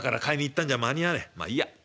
まあいいや。